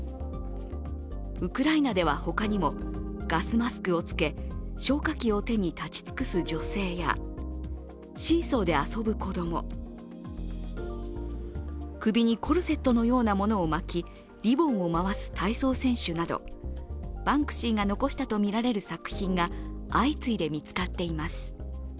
ウクライナでは他にもガスマスクをつけ消火器を手に立ち尽くす女性やシーソーで遊ぶ子供、首にコルセットのようなものを巻きリボンを回す体操選手などバンクシーが残したとみられる作品が相次いで見つかっています。